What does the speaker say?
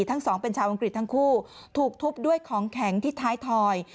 ทั้งสองเป็นชาวอังกฤษทั้งคู่ถูกทุบด้วยของแข็งที่ท้ายถอย